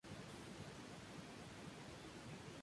Como comisario se nombró a Fortunato Monsalve.